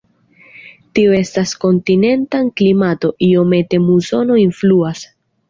Tio estas kontinenta klimato, iomete musono influas.